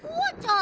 ん？